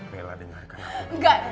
bella dengarkan aku